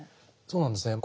そうなんですね。